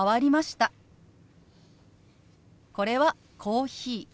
これは「コーヒー」。